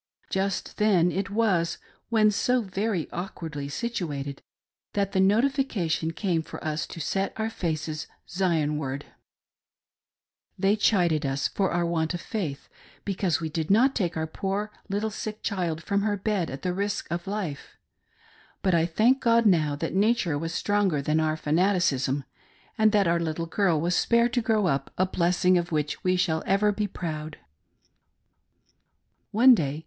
Just then it was, when so very awkwardly situated, that the notification came for us to set our faces Zionwar4 They chided us for our want of faith, because we did not take our poor little sick child from her bed at the risk of life ; but I thank God now that nature was stronger than our fanat icism, and that our little girl was spared to grow up a blessing of which we shall ever be proud. One day.